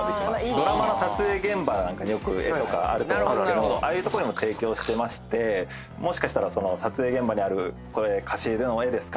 ドラマの撮影現場なんかによく絵とかあると思うんですけどもああいうとこにも提供してましてもしかしたら撮影現場にあるこれＣａｓｉの絵ですか？